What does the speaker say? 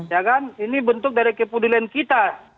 ya kan ini bentuk dari kepedulian kita